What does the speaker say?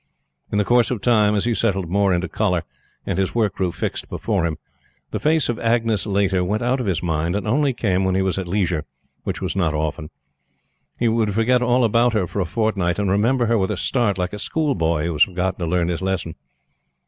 In the course of time, as he settled more into collar, and his work grew fixed before him, the face of Agnes Laiter went out of his mind and only came when he was at leisure, which was not often. He would forget all about her for a fortnight, and remember her with a start, like a school boy who has forgotten to learn his lesson.